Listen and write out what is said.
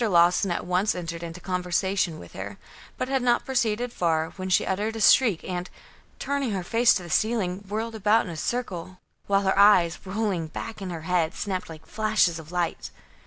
Lawson at once entered into conversation with her, but had not proceeded far, when she uttered a shriek and, turning her face to the ceiling, whirled about in a circle, while her eyes, rolling back in her head, snapped like flashes of light.